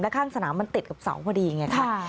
ข้างสนามมันติดกับเสาพอดีไงค่ะ